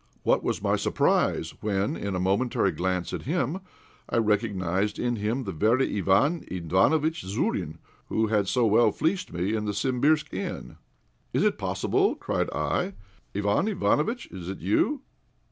What was my surprise when, in a momentary glance at him, I recognized in him that very Iván Ivánovitch Zourine who had so well fleeced me in the Simbirsk inn! "Is it possible?" cried I. "Iván Ivánovitch, is it you?"